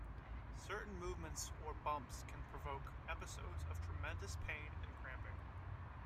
Certain movements or bumps can provoke episodes of tremendous pain and cramping.